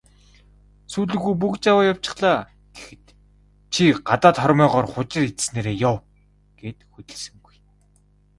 "Сүүлэн хүү бөгж аваад явчихлаа" гэхэд "Чи гадаад хормойгоор хужир идсэнээрээ яв" гээд хөдөлсөнгүй.